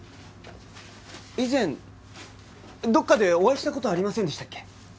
以前どっかでお会いした事ありませんでしたっけ？